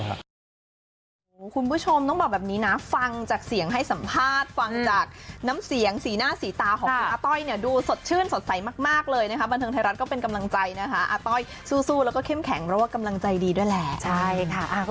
คุณผู้ชมต้องบอกแบบนี้นะฟังจากเสียงให้สัมภาษณ์ฟังจากน้ำเสียงสีหน้าสีตาของคุณอาต้อยเนี่ยดูสดชื่นสดใสมากเลยนะคะบันเทิงไทยรัฐก็เป็นกำลังใจนะคะอาต้อยสู้แล้วก็เข้มแข็งเพราะว่ากำลังใจดีด้วยแหละใช่ค่ะ